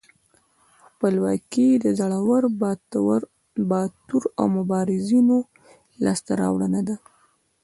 خپلواکي د زړورو، باتورو او مبارزانو لاسته راوړنه ده.